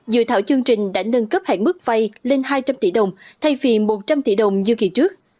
dự thảo chương trình đã nâng cấp hạn mức vay lên hai trăm linh tỷ đồng thay vì một trăm linh tỷ đồng như kỳ trước